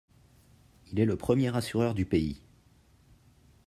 Il est le premier assureur du pays.